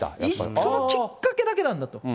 そのきっかけだけなんだと。